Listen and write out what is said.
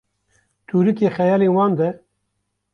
tûrikê xeyalên wan de